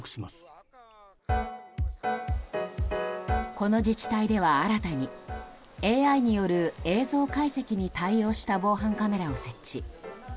この自治体では新たにＡＩによる映像解析に対応した防犯カメラを設置。